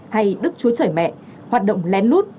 hay đức chúa trời mẹ hoạt động lén lút